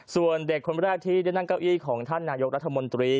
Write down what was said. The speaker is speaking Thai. ส่วนเด็กคนแรกที่ได้นั่งเก้าอี้ของท่านนายกรัฐมนตรี